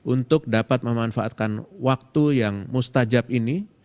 untuk dapat memanfaatkan waktu yang mustajab ini